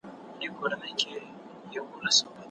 د لویې جرګي عمومي مشر ولي په ډېر پام او احتیاط ټاکل کیږي؟